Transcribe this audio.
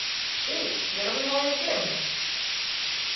Sí, ye lo que digo yo siempres.